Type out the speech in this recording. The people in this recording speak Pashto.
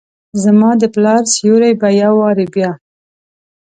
زما دپلا ر سیوري به یووارې بیا،